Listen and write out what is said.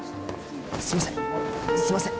すいませんすいません